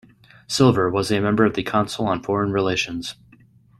Silver was a member of the Council on Foreign Relations.